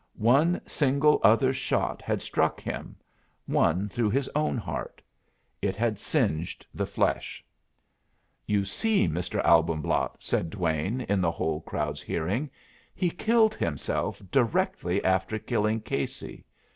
One single other shot had struck him one through his own heart. It had singed the flesh. "You see, Mr. Albumblatt," said Duane, in the whole crowd's hearing, "he killed himself directly after killing Casey.